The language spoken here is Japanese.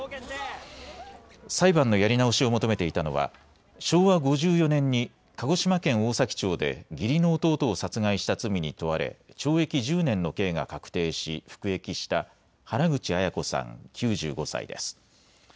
裁判のやり直しを求めていたのは昭和５４年に鹿児島県大崎町で義理の弟を殺害した罪に問われ懲役１０年の刑が確定し服役した原口アヤ子さん、９５歳です。